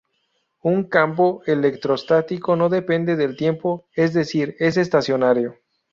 Un campo electrostático no depende del tiempo, es decir es estacionario.